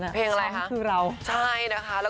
เพลงอะไรค่ะ